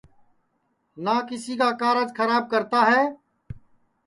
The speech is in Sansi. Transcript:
نہ کیسی کا کارج کھراب کرتا ہے